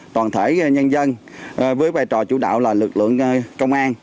toàn thể nhân dân với vai trò chủ đạo là lực lượng công an